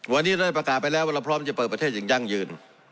วันนี้ได้ประกาศไปแล้วว่าเราพร้อมจะเปิดประเทศอย่างยั่งยืน